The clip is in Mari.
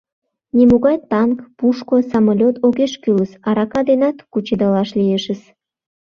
Нимогай танк, пушко, самолёт огеш кӱлыс, арака денат кучедалаш лиешыс.